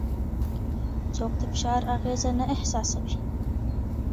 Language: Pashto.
څوک د فشار اغېزه نه احساسوي؟